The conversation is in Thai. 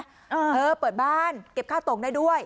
เออเปิดบ้านเก็บข้าวตรงได้ด้วย